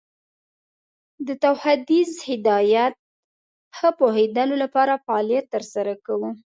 د تودوخیز هدایت ښه پوهیدلو لپاره فعالیت تر سره کوو.